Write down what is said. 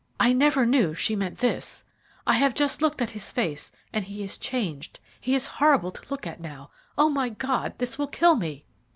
I never knew she meant this. I have just looked at his face, and he is changed; he is horrible to look at now. Oh, my God! this will kill me."